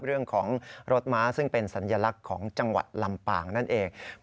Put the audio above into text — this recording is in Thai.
เรื่องของรถม้าซึ่งเป็นสัญลักษณ์ของจังหวัดลำปางนั่นเอง